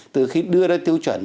từ khi đưa ra tiêu chuẩn